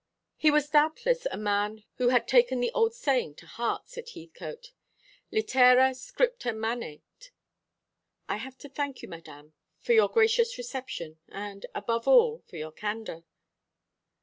"He was doubtless a man who had taken the old saying to heart," said Heathcote. "'Litera scripta manet.' I have to thank you, Madame, for your gracious reception, and, above all, for your candour."